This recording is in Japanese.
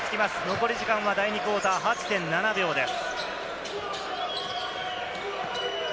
残り時間は第２クオーター、８．７秒です。